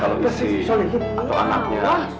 kalau isi atau anaknya